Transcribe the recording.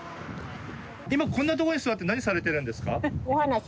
今こんなとこに座って何されてるんですか？